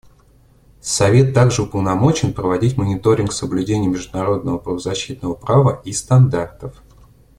Совет также уполномочен проводить мониторинг соблюдения международного правозащитного права и стандартов.